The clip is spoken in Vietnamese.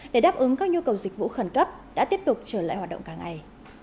để đáp ứng các nhu cầu dịch vụ khẩn cấp đã tiếp tục trở lại hoạt động cả ngày